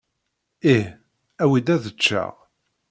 Ih. Awi-d ad eččeɣ.